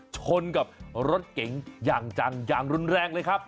ชนกับรถเก๋งอย่างจังอย่างรุนแรงเลยครับ